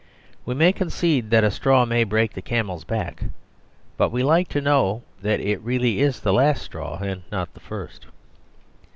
We may concede that a straw may break the camel's back, but we like to know that it really is the last straw and not the first.